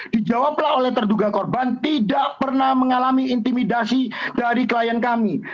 dijawablah oleh terduga korban tidak pernah mengalami intimidasi dari klien kami